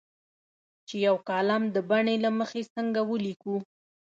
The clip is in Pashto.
چې یو کالم د بڼې له مخې څنګه ولیکو.